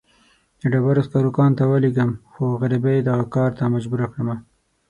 د ډبرو سکرو کان ته ولېږم، خو غريبۍ دغه کار ته مجبوره کړمه.